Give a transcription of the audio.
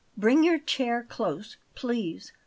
Bring your chair close, please.